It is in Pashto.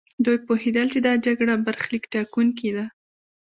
دوی پوهېدل چې دا جګړه برخليک ټاکونکې ده.